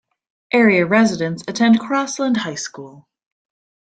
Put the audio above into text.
Area residents attend Crossland High School.